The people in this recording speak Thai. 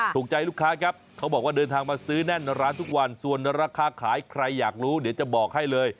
ถูกใจลูกค้าครับเขาบอกว่าเดินทางมาซื้อแน่นร้านทุกวันส่วนราคาขายใครอยากรู้เดี๋ยวจะบอกให้เลย